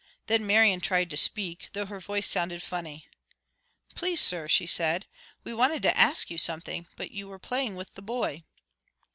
Then Marian tried to speak, though her voice sounded funny. "Please, sir," she said, "we wanted to ask you something, but you were playing with the boy."